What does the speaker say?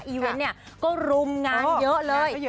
เวนต์เนี่ยก็รุมงานเยอะเลย